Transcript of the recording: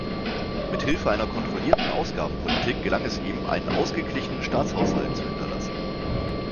Mit Hilfe einer kontrollierten Ausgabenpolitik gelang es ihm, einen ausgeglichenen Staatshaushalt zu hinterlassen.